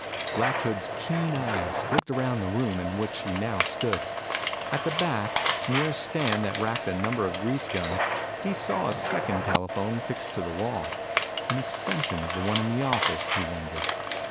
Black Hood's keen eyes flicked around the room in which he now stood. At the back, near a stand that racked a number of grease guns, he saw a second telephone fixed to the wall. An extension of the one in the office, he wondered?